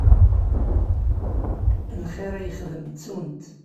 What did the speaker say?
Lxir i yexdem ttun-t.